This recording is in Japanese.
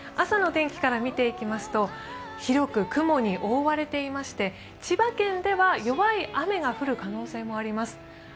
朝の天気から見ていきますと広く雲に覆われていまして千葉県では弱い雨の降る可能性もあります。